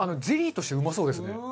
ゼリーとしてうまそうですね。